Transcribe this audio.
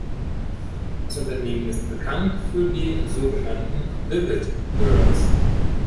Das Unternehmen ist bekannt für die sogenannten Vivid-Girls.